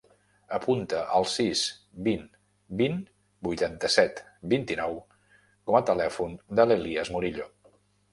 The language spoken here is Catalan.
Apunta el sis, vint, vint, vuitanta-set, vint-i-nou com a telèfon de l'Elías Murillo.